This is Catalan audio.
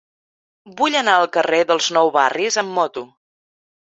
Vull anar al carrer dels Nou Barris amb moto.